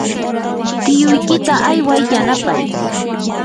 tiyuykita ayway yanapay.